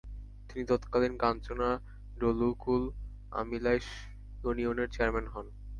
তিনি তৎকালীন কাঞ্চনা, ডলুকূল, আমিলাইষ ইউনিয়নের চেয়ারম্যান হন।